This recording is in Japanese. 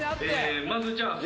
まずじゃあ。